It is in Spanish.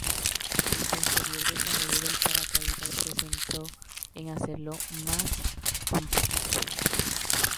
El posterior desarrollo del paracaídas se centró en hacerlo más compacto.